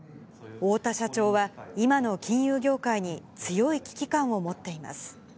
太田社長は、今の金融業界に強い危機感を持っています。